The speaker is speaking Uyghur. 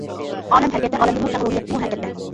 ئالەم ھەرىكەتتە، ئالەمدىنمۇ كەڭ روھىيەتمۇ ھەرىكەتتە.